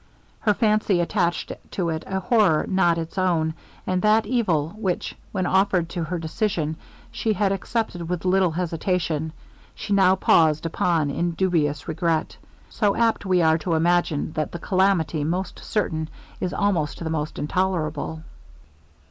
Her fancy attached to it a horror not its own; and that evil, which, when offered to her decision, she had accepted with little hesitation, she now paused upon in dubious regret; so apt we are to imagine that the calamity most certain, is also the most intolerable!